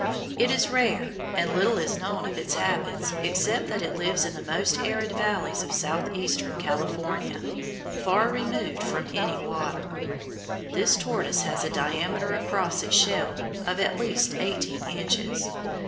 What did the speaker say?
It is rare, and little is known of its habits except that it lives in the most arid valleys of southeastern California, far removed from any water. This tortoise has a diameter across its shell of at least eighteen inches.